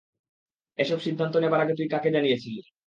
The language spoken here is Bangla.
এসব সিদ্ধান্ত নেবার আগে তুই কাকে জানিয়েছিলি?